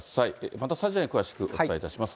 また、３時台に詳しくお伝えいたします。